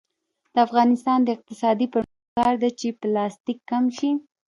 د افغانستان د اقتصادي پرمختګ لپاره پکار ده چې پلاستیک کم شي.